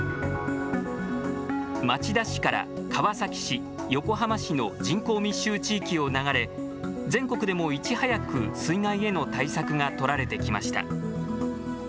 町田市から川崎市、横浜市の人口密集地域を流れ、全国でもいち早く水害への対策が取られてきました。